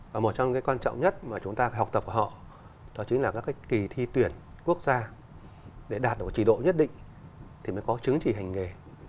và một trong những cái quan trọng nhất mà chúng ta phải học tập của họ đó chính là các cái kỳ thi tuyển quốc gia để đạt được trí độ nhất định thì mới có chứng chỉ hành nghề